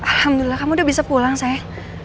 alhamdulillah kamu udah bisa pulang saya